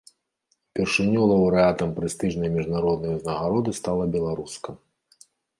Упершыню лаўрэатам прэстыжнай міжнароднай узнагароды стала беларуска.